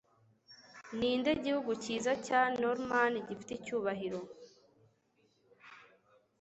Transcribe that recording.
Ninde gihugu cyiza cya Norman gifite icyubahiro